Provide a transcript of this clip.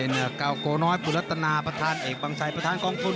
เป็นเกากลน้อยปุฏตหนาพระท่านเอกบังไศประศนของ๘๐๐